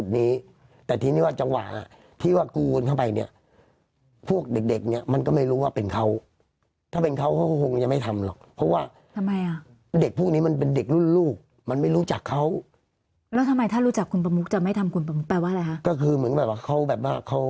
เด็กเนี้ยมันก็ไม่รู้ว่าเป็นเขาถ้าเป็นเขาเขาก็คงจะไม่ทำหรอก